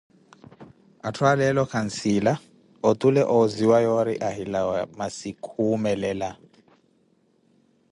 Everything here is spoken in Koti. Atthu a leeo kansiila, otule ozziwe yoori ohilawa masi kuumelela.